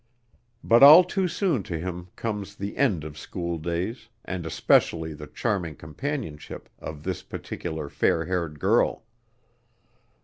But all too soon to him comes the end of schooldays and especially the charming companionship of this particular fair haired girl.